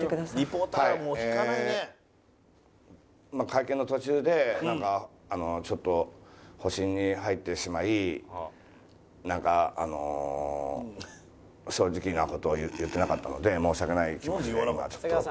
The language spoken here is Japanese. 会見の途中でなんかちょっと保身に入ってしまいなんかあの正直な事を言ってなかったので申し訳ない気持ちで今は。